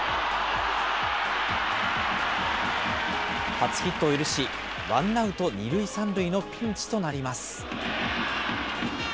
初ヒットを許し、ワンアウト２塁３塁のピンチとなります。